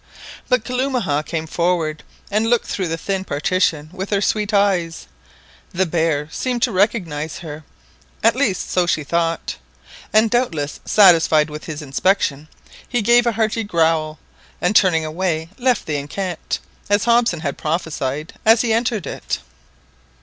But Kalumah came forward, and looked through the thin partition with her sweet eyes. The bear seemed to recognise her, at least so she thought, and doubtless satisfied with his inspection, he gave a hearty growl, and turning away left the enceinte, as Hobson had prophesied, as he entered it.